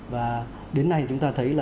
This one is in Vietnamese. và đến nay chúng ta thấy